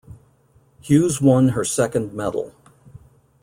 Hughes won her second medal.